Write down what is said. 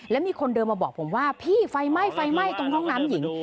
แล้วมีคนเดินมาบอกผมว่าพี่ไฟไหม้ไฟไหม้ตรงห้องน้ำหญิง